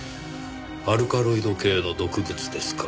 アルカロイド系の毒物ですか。